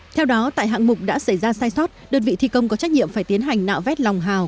theo đó tại hạng mục đã xảy ra sai sót đơn vị thi công có trách nhiệm phải tiến hành nạo vét lòng hào